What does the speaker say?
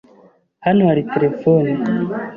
Hano hari terefone?